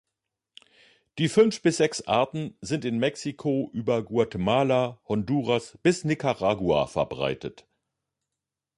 Die fünf bis sechs Arten sind in Mexiko über Guatemala, Honduras bis Nicaragua verbreitet.